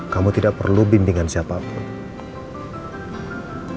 kamu tidak perlu bimbingan siapapun